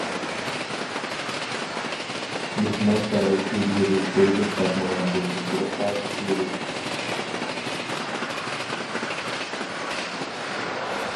مېھمانساراي ئىلگىرى كۆرۈلۈپ باقمىغان بۇزغۇنچىلىققا ئۇچرىدى.